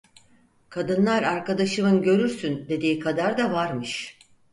Kadınlar arkadaşımın "görürsün" dediği kadar da varmış.